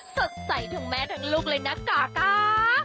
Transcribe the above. สดใสถนมันดังนั่งลูกเลยนะกาก๊า